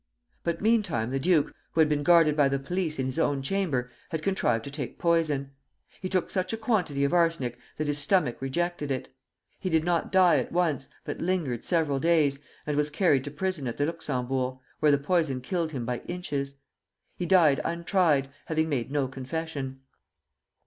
But meantime the duke, who had been guarded by the police in his own chamber, had contrived to take poison. He took such a quantity of arsenic that his stomach rejected it. He did not die at once, but lingered several days, and was carried to prison at the Luxembourg, where the poison killed him by inches. He died untried, having made no confession.